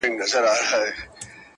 هغه په روغ زړه اگاه نه ده بيا يې وويله_